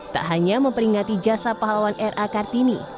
tak hanya memperingati jasa pahlawan ra kartini